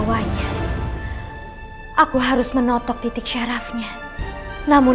dari mana kau mendapatkan pusaka roda emas